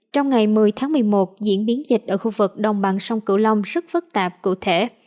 trong ngày một mươi tháng một mươi một diễn biến dịch ở khu vực đồng bằng sông cửu long rất phức tạp cụ thể